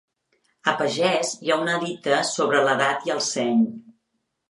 A pagès hi ha una dita sobre l'edat i el seny.